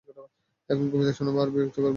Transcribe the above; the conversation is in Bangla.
এখন কবিতা শোনাবে আর বিরক্ত করবে!